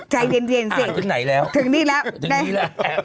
ใจเย็นสิอ่านขึ้นไหนแล้วถึงนี้แล้ว